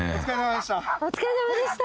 お疲れさまでした。